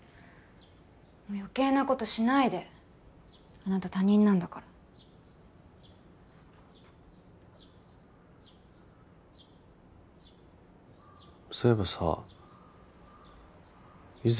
もう余計なことしないであなた他人なんだからそういえばさ優